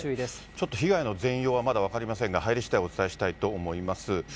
ちょっと被害の全容はまだ分かりませんが、入りしだいお伝えしたいと思います。